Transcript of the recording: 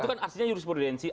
itu kan artinya jurisprudensi